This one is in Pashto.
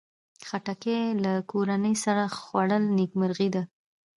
خټکی له کورنۍ سره خوړل نیکمرغي ده.